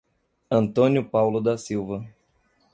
Antônio Paulo da Silva